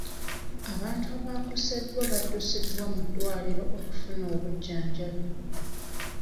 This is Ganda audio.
Abantu abakoseddwa baddusibwa mu ddwaliro okufuna obujjanjabi.